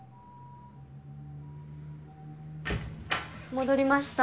戻りました。